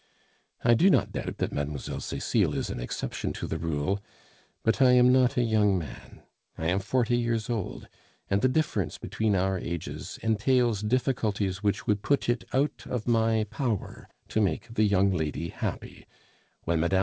I do not doubt that Mlle. Cecile is an exception to the rule; but I am not a young man, I am forty years old, and the difference between our ages entails difficulties which would put it out of my power to make the young lady happy, when Mme.